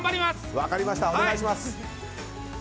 分かりました、お願いします。